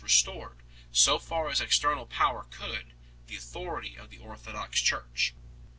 restored, so far as external power could, the authority of the orthodox Church.